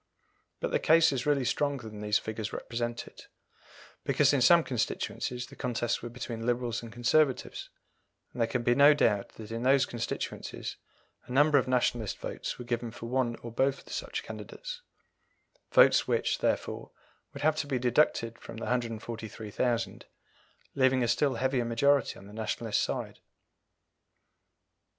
But the case is really stronger than these figures represent it, because in some constituencies the contests were between Liberals and Conservatives, and there can be no doubt that in those constituencies a number of Nationalist votes were given for one or both of such candidates votes which, therefore, would have to be deducted from the 143,000, leaving a still heavier majority on the Nationalist side.